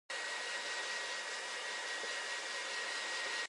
現世